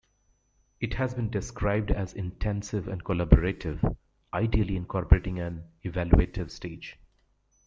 It has been described as intensive and collaborative, ideally incorporating an evaluative stage.